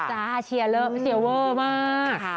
จ้าเชียร์เว่อมาก